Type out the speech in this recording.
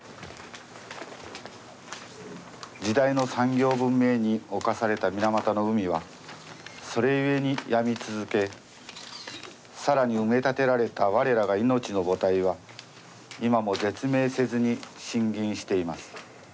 「時代の産業文明に犯された水俣の海はそれ故に病み続けさらに埋立てられた我らが命の母体は今も絶命せずに呻吟しています。